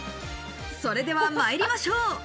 それでは参りましょう。